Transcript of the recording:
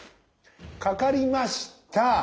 かかりました。